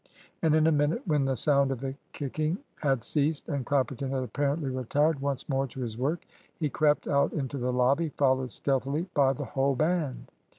And in a minute, when the sound of the kicking had ceased, and Clapperton had apparently retired once more to his work, he crept out into the lobby, followed stealthily by the whole band.